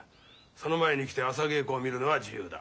その前に来て朝稽古を見るのは自由だ。